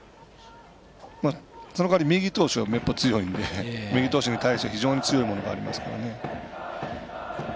その代わり、右投手にはめっぽう強いので右投手に対して非常に強いものがありますからね。